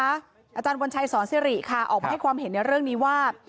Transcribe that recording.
อาจารย์วัญชัยสอนสิริค่ะออกมาให้ความเห็นในเรื่องนี้ว่า